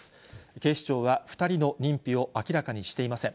警視庁は２人の認否を明らかにしていません。